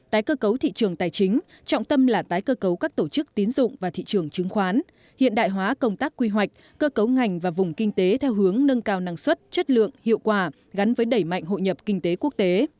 tái cơ cấu thị trường tài chính trọng tâm là tái cơ cấu các tổ chức tín dụng và thị trường chứng khoán hiện đại hóa công tác quy hoạch cơ cấu ngành và vùng kinh tế theo hướng nâng cao năng suất chất lượng hiệu quả gắn với đẩy mạnh hội nhập kinh tế quốc tế